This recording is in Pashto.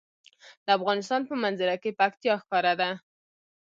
د افغانستان په منظره کې پکتیا ښکاره ده.